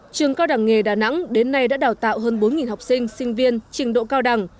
trường cao đẳng nghề đà nẵng đến nay đã đào tạo hơn bốn học sinh sinh viên trình độ cao đẳng